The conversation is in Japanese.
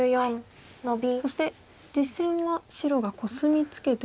そして実戦は白がコスミツケて打ちました。